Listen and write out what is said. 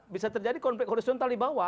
bisa terjadi konflik horizontal di bawah